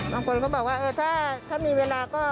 บางคนก็บอกว่าถ้ามีเวลาก็